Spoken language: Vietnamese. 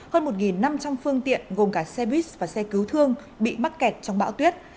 hơn một năm trăm linh phương tiện gồm cả xe buýt và xe cứu thương bị mắc kẹt trong bão tuyết